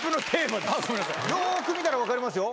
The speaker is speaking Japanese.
よーく見たら分かりますよ。